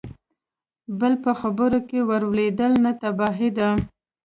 بل په خبره کې ور ولوېد: نه، تباهي ده!